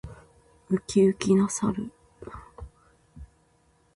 ウキウキな猿。